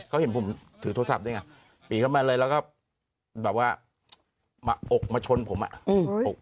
พลิกต๊อกเต็มเสนอหมดเลยพลิกต๊อกเต็มเสนอหมดเลย